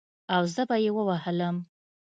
او زه به يې ووهلم.